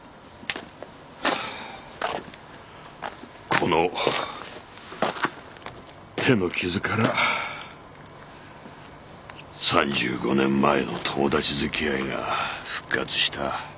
この手の傷から３５年前の友達付き合いが復活した。